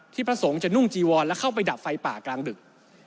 พระสงฆ์จะนุ่งจีวรและเข้าไปดับไฟป่ากลางดึก